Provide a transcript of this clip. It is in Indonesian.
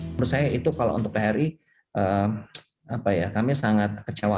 menurut saya itu kalau untuk phri kami sangat kecewa